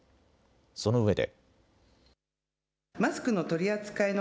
そのうえで。